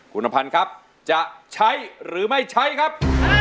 คุณอภัณฑ์ครับจะใช้หรือไม่ใช้ครับ